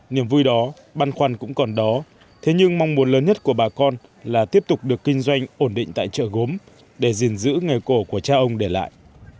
niềm vui đó băn khoăn cũng còn đó thế nhưng mong muốn lớn nhất của bà con là tiếp tục được kinh doanh ổn định tại chợ gốm để gìn giữ nghề cổ của cha ông để lại